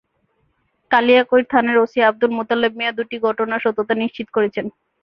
কালিয়াকৈর থানার ওসি আবদুল মোতালেব মিয়া দুটি ঘটনার সত্যতা নিশ্চিত করেছেন।